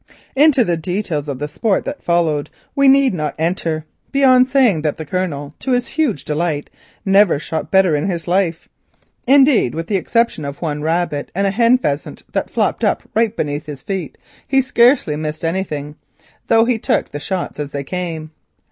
Into the details of the sport that followed we need not enter, beyond saying that the Colonel, to his huge delight, never shot better in his life. Indeed, with the exception of one rabbit and hen pheasant that flopped up right beneath his feet, he scarcely missed anything, though he took the shots as they came.